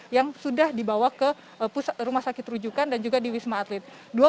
yang sudah dibawa ke rumah sakit rujukan dan juga di wisma atlet